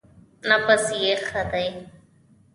_نبض يې ښه دی.